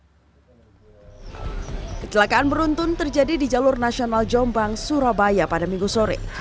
hai kecelakaan beruntun terjadi di jalur nasional jombang surabaya pada minggu sore